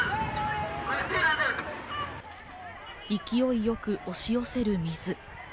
勢いよく押し寄せる水。